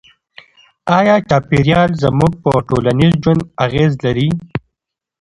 آیا چاپیریال زموږ په ټولنیز ژوند اغېز لري؟